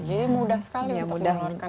jadi mudah sekali untuk menularkan penyakit